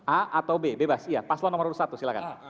a atau b bebas iya paslon nomor urut satu silakan